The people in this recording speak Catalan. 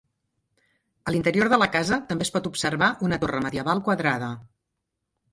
A l'interior de la casa també es pot observar una torre medieval quadrada.